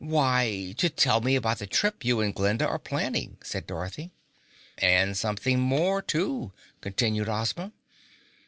"Why, to tell me about the trip you and Glinda are planning," said Dorothy. "And something more, too," continued Ozma.